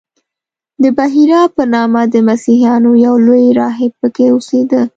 د بحیرا په نامه د مسیحیانو یو لوی راهب په کې اوسېده.